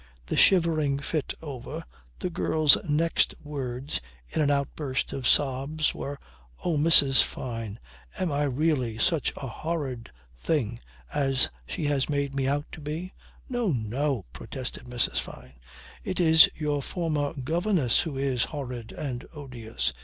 The shivering fit over, the girl's next words in an outburst of sobs were, "Oh! Mrs. Fyne, am I really such a horrid thing as she has made me out to be?" "No, no!" protested Mrs. Fyne. "It is your former governess who is horrid and odious.